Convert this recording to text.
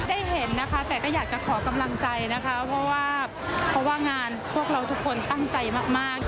ได้เห็นนะคะแต่ก็อยากจะขอกำลังใจนะคะเพราะว่าเพราะว่างานพวกเราทุกคนตั้งใจมาก